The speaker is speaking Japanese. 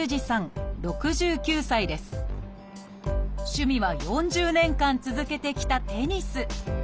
趣味は４０年間続けてきたテニス。